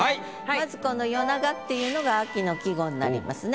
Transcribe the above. まずこの「夜長」っていうのが秋の季語になりますね。